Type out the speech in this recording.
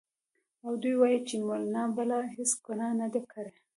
او دوی وايي چې مولنا بله هېڅ ګناه نه ده کړې.